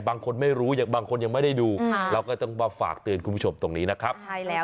บางคนไม่รู้อย่างบางคนยังไม่ได้ดูเราก็ต้องมาฝากเตือนคุณผู้ชมตรงนี้นะครับใช่แล้ว